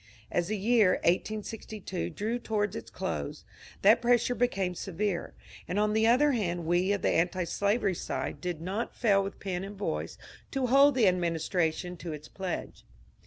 As the year 1862 drew toward its dose, that pressure became severe, and on the other hand we of the antislavery side did not fail with pen and voice to hold the administration to its pledge.